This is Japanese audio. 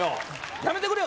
やめてくれよ